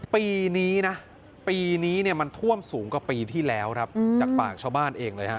ปีนี้นะปีนี้เนี่ยมันท่วมสูงกว่าปีที่แล้วครับจากปากชาวบ้านเองเลยฮะ